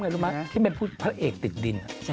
รู้มั้ยเป็นผู้พลักเอกติดดิน